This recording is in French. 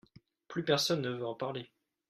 Plus personne ne veut en parler.